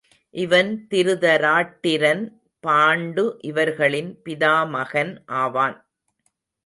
இவன் திருதராட்டிரன், பாண்டு இவர்களின் பிதாமகன் ஆவான்.